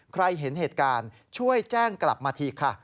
เห็นเหตุการณ์ช่วยแจ้งกลับมาทีค่ะ